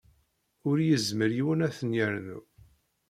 Ur yezmir yiwen ad ten-yernu.